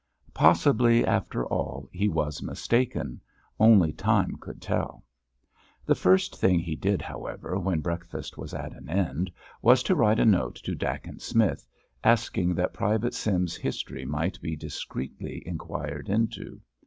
Possibly, after all, he was mistaken; only time could tell. The first thing he did, however, when breakfast was at an end, was to write a note to Dacent Smith, asking that Private Sims's history might be discreetly inquired into.